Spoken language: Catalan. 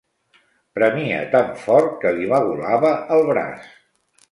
Premia tan fort que li magolava el braç.